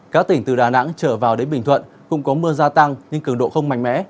các tỉnh từ đà nẵng trở vào đến bình thuận cũng có mưa gia tăng nhưng cường độ không mạnh mẽ